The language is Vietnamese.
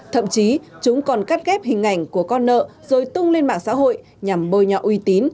thậm chí chúng còn cắt ghép hình ảnh của con nợ rồi tung lên mạng xã hội nhằm bôi nhọ uy tín